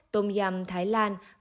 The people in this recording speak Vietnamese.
tôm giằm thái lan